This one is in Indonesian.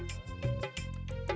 mas rangga mau bantu